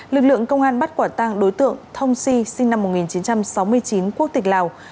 lực lượng công an bắt quả tăng đối tượng thông si sinh năm một nghìn chín trăm sáu mươi chín quốc tịch lào